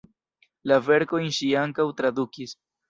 La verkojn ŝi ankaŭ tradukis.